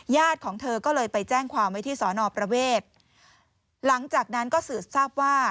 ของเธอก็เลยไปแจ้งความไว้ที่สอนอประเวทหลังจากนั้นก็สืบทราบว่า